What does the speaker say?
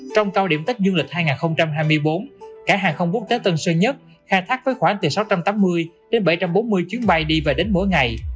trong cao điểm tách du lịch hai nghìn hai mươi bốn cảng hàng không quốc tế tân sơn nhất khai thác với khoảng từ sáu trăm tám mươi đến bảy trăm bốn mươi chuyến bay đi và đến mỗi ngày